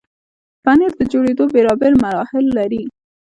پنېر د جوړېدو بیلابیل مراحل لري.